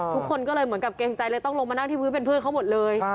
ทุกคนก็เลยเหมือนกับเกรงใจเลยต้องลงมานั่งที่พื้นเป็นเพื่อนเขาหมดเลย